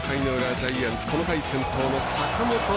ジャイアンツ、この回先頭の坂本。